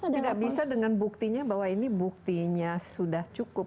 tidak bisa dengan buktinya bahwa ini buktinya sudah cukup